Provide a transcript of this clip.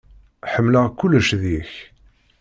Ḥemmleɣ kullec deg-k.